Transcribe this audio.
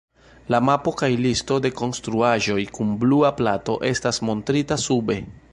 La mapo kaj listo de konstruaĵoj kun Blua Plato estas montrita sube.